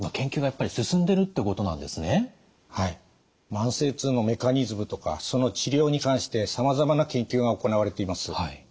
慢性痛のメカニズムとかその治療に関してさまざまな研究が行われています。